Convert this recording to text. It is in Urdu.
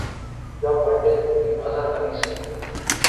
جب one day team Azhar Ali سے